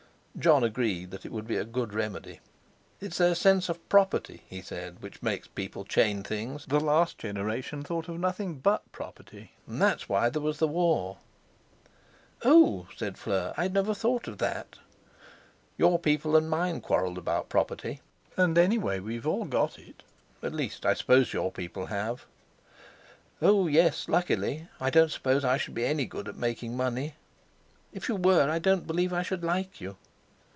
Jon agreed that it would be a good remedy. "It's their sense of property," he said, "which makes people chain things. The last generation thought of nothing but property; and that's why there was the War." "Oh!" said Fleur, "I never thought of that. Your people and mine quarrelled about property. And anyway we've all got it—at least, I suppose your people have." "Oh! yes, luckily; I don't suppose I shall be any good at making money." "If you were, I don't believe I should like you."